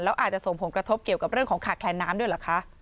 แล้วอาจจะส่งผลกระทบเกี่ยวกับเรื่องของขาดแคลนน้ำด้วยเหรอคะ